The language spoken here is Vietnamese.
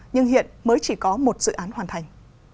nhưng hiện mới chỉ có một dự án hoàn thành